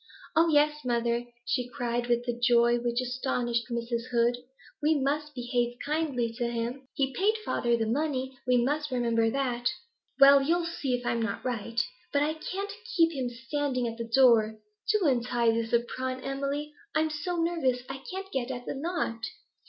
'Oh yes, mother,' she cried, with a joy which astonished Mrs. Heed, 'we must behave kindly to him. He paid father the money; we must remember that.' 'Well, you'll see if I'm net right. But I can't keep him standing at the door. Do untie this apron, Emily; I'm so nervous, I can't get at the knot.